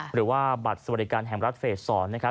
หรือว่าบัตรสวัสดิการแห่งรัฐเฟส๒นะครับ